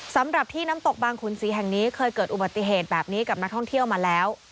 สำหรับที่น้ำตกบางขุนศรีแห่งนี้เคยเกิดอุบัติเหตุแบบนี้กับนักท่องเที่ยวมาแล้ว